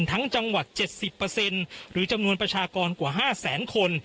ทั้งจังหวัดเจ็ดสิบเปอร์เซ็นต์หรือจำนวนประชากรกว่าห้าแสนคน